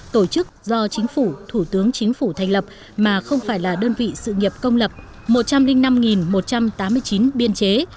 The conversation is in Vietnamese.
tổ chức do chính phủ thủ tướng chính phủ thành lập mà không phải là đơn vị sự nghiệp công lập một trăm linh năm một trăm tám mươi chín biên chế